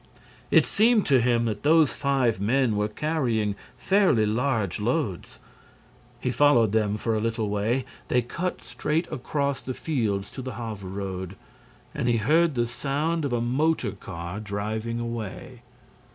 It seemed to him that those five men were carrying fairly large loads. He followed them for a little way. They cut straight across the fields to the Havre road; and he heard the sound of a motor car driving away.